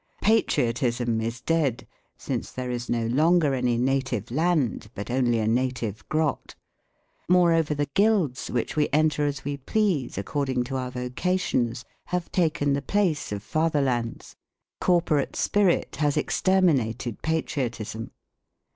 Patriotism is dead, since there is no longer any native land, but only a native grot. Moreover the guilds which we enter as we please according to our vocations have taken the place of Fatherlands. Corporate spirit has exterminated patriotism.